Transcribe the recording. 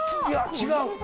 いや違う。